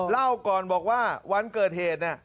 เล่าก่อนว่าวันเกิดเหตุ